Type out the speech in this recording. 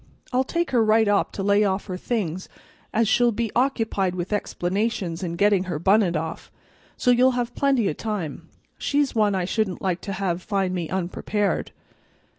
I'll take her right up to lay off her things, as she'll be occupied with explanations an' gettin' her bunnit off, so you'll have plenty o' time. She's one I shouldn't like to have find me unprepared."